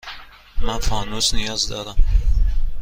من فانوس نیاز دارم.